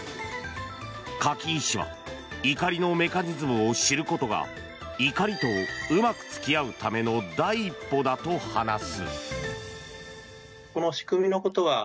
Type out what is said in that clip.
柿木氏は怒りのメカニズムを知ることが怒りとうまく付き合うための第一歩だと話す。